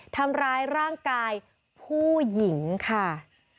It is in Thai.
ทำร้ายร่างกายผู้หญิงค่ะ